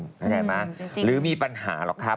เข้าใจไหมหรือมีปัญหาหรอกครับ